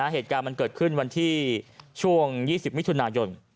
เหตุการณ์มันเกิดขึ้นวันที่ช่วง๒๐มิถุนายน